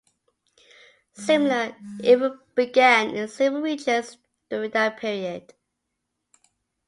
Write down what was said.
Similar events began in several regions during that period.